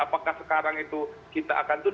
apakah sekarang itu kita akan turun